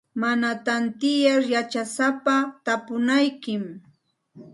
Mana tantiyar yachasapata tapunaykim.